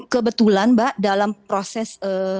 kebetulan mbak dalam proses